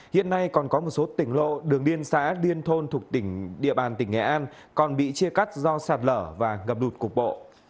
hiện nay còn có một số tỉnh lộ đường điên xã điên thôn thuộc địa bàn tỉnh nghệ an còn bị chia cắt do sạt lở và ngập đụt cục bộ